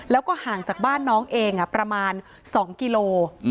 แล้วก็ห่างจากบ้านน้องเองประมาณ๒กิโล